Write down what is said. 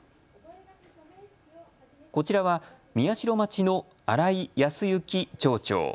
こちらは宮代町の新井康之町長。